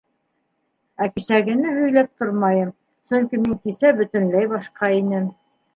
—Ә кисәгене һөйләп тормайым, сөнки мин кисә бөтөнләй башҡа инем.